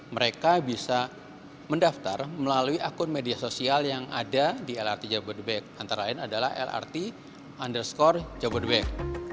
mereka bisa mendaftar melalui akun media sosial yang ada di lrt jabodebek antara lain adalah lrt underscore jabodebek